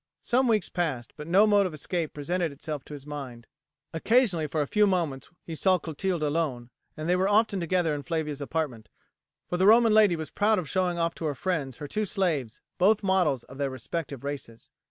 Some weeks passed, but no mode of escape presented itself to his mind. Occasionally for a few moments he saw Clotilde alone, and they were often together in Flavia's apartment, for the Roman lady was proud of showing off to her friends her two slaves, both models of their respective races.